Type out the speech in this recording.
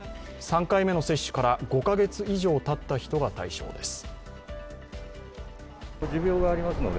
３回目の接種から５カ月以上たった人が対象です。